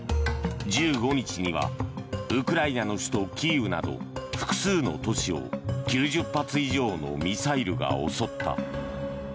１５日にはウクライナの首都キーウなど複数の都市を９０発以上のミサイルが襲った。